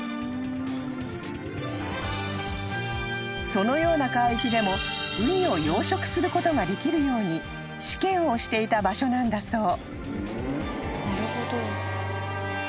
［そのような海域でもウニを養殖することができるように試験をしていた場所なんだそう］